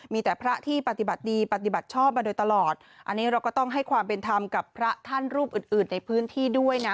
มีแต่พระที่ปฏิบัติดีปฏิบัติชอบมาโดยตลอดอันนี้เราก็ต้องให้ความเป็นธรรมกับพระท่านรูปอื่นอื่นในพื้นที่ด้วยนะ